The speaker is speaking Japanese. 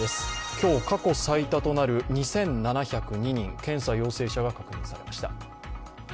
今日、過去最多となる２７０２人、検査陽性者が確認されました。